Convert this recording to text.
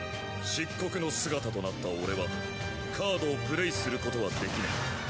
漆黒の姿となった俺はカードをプレイすることはできない。